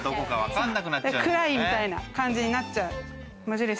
暗いみたいな感じになっちゃう。